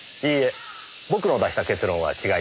僕の出した結論は違います。